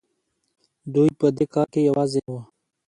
دوی په دې کار کې یوازې نه وو.